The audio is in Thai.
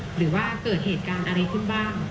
หรือว่าเกิดเหตุการณ์อะไรขึ้นบ้าง